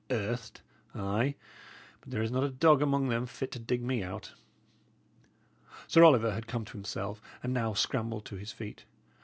Earthed! Ay, but there is not a dog among them fit to dig me out." Sir Oliver had come to himself, and now scrambled to his feet.